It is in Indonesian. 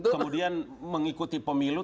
kemudian mengikuti pemilu